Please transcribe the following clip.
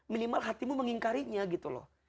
minimal hatimu mengingkarinya gitu loh